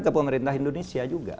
ke pemerintah indonesia juga